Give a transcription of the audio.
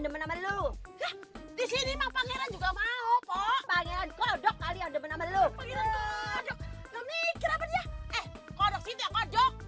demen lu disini mau pangeran juga mau pokok pangeran kodok kalian demen lu mikir apa dia